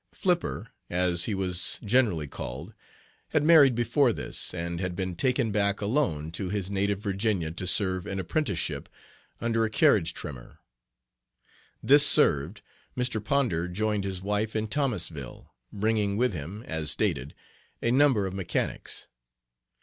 "Flipper," as he was generally called, had married before this, and had been taken back alone to his native Virginia to serve an apprenticeship under a carriage trimmer. This served, Mr. Ponder joined his wife in Thomasville, bringing with him, as stated, a number of mechanics.